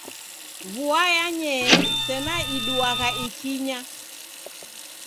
Vua yanyee sena iduagha ikinya.